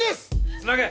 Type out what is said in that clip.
つなげ！